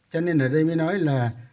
cho nên ở đây mới nói là